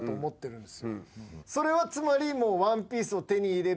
それはつまり。